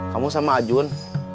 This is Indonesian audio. kamu sama adjun